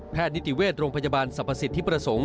แพทย์นิติเวทย์โรงพยาบาลสรรพสิทธิประสงค์